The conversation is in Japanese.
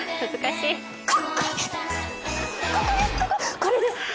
これです！